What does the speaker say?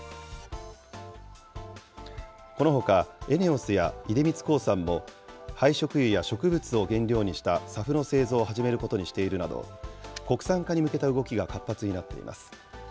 このほか、ＥＮＥＯＳや出光興産も、廃食油や植物を原料にしたＳＡＦの製造を始めることにしているなど、国産化に向けた動きが活発になっています。